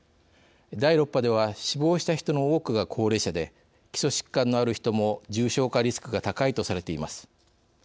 第６波では死亡した人の多くが高齢者で基礎疾患のある人も重症化リスクが高いとされています。